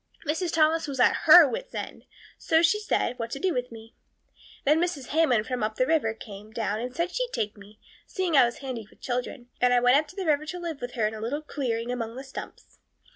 Mrs. Thomas was at her wits' end, so she said, what to do with me. Then Mrs. Hammond from up the river came down and said she'd take me, seeing I was handy with children, and I went up the river to live with her in a little clearing among the stumps.